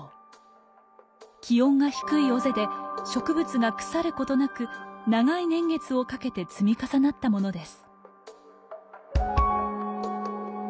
気温が低い尾瀬で植物が腐ることなく長い年月をかけて積み重なったものです。